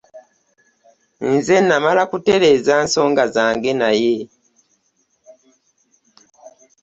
Nze nnamala okutereeza ensonga zange naye.